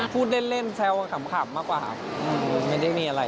พูดเล่นแซวขำมากกว่าครับไม่ได้มีอะไร